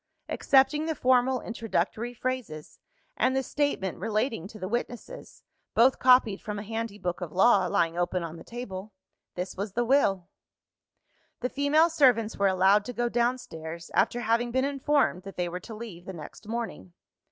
Excepting the formal introductory phrases, and the statement relating to the witnesses both copied from a handy book of law, lying open on the table this was the Will. The female servants were allowed to go downstairs; after having been informed that they were to leave the next morning.